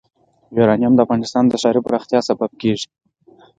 یورانیم د افغانستان د ښاري پراختیا سبب کېږي.